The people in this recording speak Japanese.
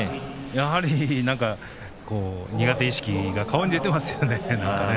やはり何か苦手意識が顔に出ていますよね。